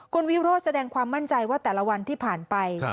คุณวิโรธแสดงความมั่นใจว่าแต่ละวันที่ผ่านไป